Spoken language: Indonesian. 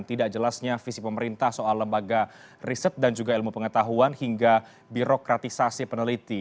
tidak jelasnya visi pemerintah soal lembaga riset dan juga ilmu pengetahuan hingga birokratisasi peneliti